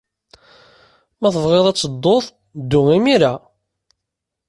Ma tebɣiḍ ad tedduḍ, ddu imir-a!